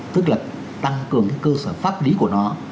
tức là tăng cường cái cơ sở pháp lý của nó